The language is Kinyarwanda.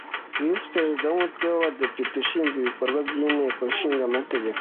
Visi Perezida w’ Umutwe w’Abadepite ushinzwe ibikorwa by’ Inteko Ishinga Amategeko